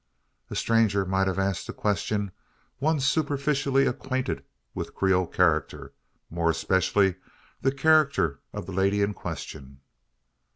A stranger might have asked the question; one superficially acquainted with Creole character more especially the character of the lady in question.